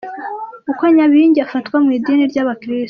Uko Nyabingi afatwa mu idini ry’abakirisitu.